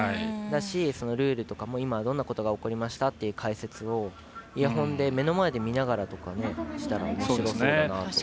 そのルールとかも今どんなことが起こりましたっていう解説をイヤホンで目の前で見ながらとかしたらおもしろそうだなと。